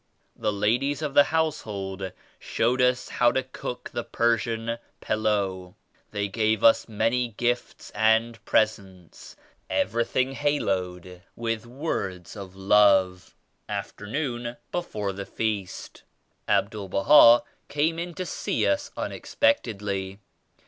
The ladies of the Household showed* us how to cook the Persian "pilau." They gave us many gifts and presents; everything haloed with words of love. 71 AFTERNOON BEFORE THE FEAST. Abdul Baha came in to see us unexpectedly.